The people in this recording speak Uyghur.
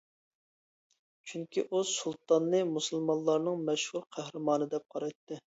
چۈنكى ئۇ سۇلتاننى مۇسۇلمانلارنىڭ مەشھۇر قەھرىمانى دەپ قارايتتى.